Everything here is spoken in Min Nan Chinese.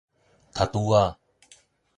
頭拄仔